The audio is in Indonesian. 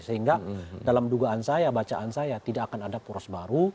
sehingga dalam dugaan saya bacaan saya tidak akan ada poros baru